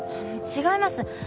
違います。